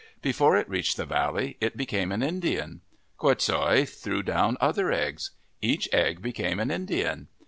Before it reached the valley it became an Indian. Quoots hooi threw down other eggs. Each egg became an Indian.